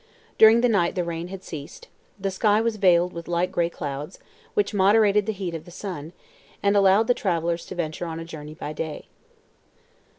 During the night the rain had ceased. The sky was veiled with light gray clouds, which moderated the heat of the sun, and allowed the travelers to venture on a journey by day.